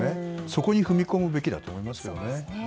そこに踏み込むべきだと思います。